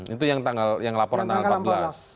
itu yang laporan tanggal empat belas